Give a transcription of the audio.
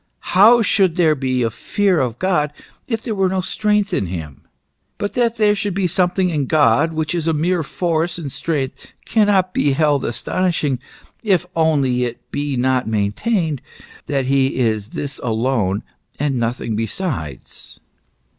"How should there be a fear of God, if there were no strength in him ? But that there should be something in God, which is mere force and strength, cannot be held astonishing if only it be not maintained that he is this alone and nothing besides."